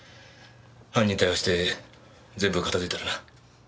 犯人逮捕して全部片付いたらな。